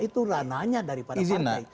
itu ranahnya daripada partai